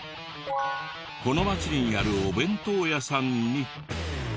この町にあるお弁当屋さんに。